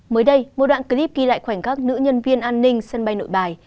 mới đây một đoạn clip ghi lại khoảnh khắc nữ nhân viên an ninh sân bay nội bài